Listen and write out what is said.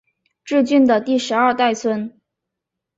挚峻的第十二代孙。